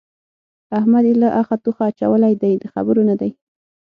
احمد يې له اخه توخه اچولی دی؛ د خبرو نه دی.